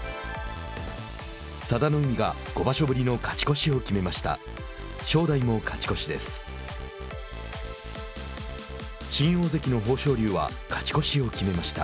佐田の海が５場所ぶりの勝ち越しを決めました。